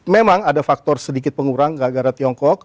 memang ada faktor sedikit pengurang gara gara tiongkok